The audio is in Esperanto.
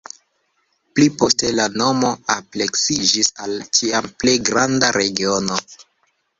Pli poste la nomo ampleksiĝis al ĉiam pli granda regiono.